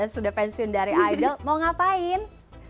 sudah pensiun dari idol mau ngapain